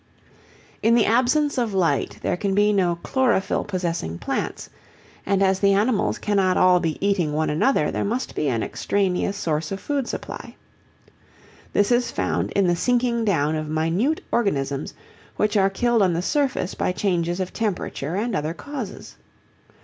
In the absence of light there can be no chlorophyll possessing plants, and as the animals cannot all be eating one another there must be an extraneous source of food supply. This is found in the sinking down of minute organisms which are killed on the surface by changes of temperature and other causes.